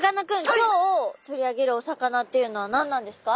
今日取り上げるお魚っていうのは何なんですか？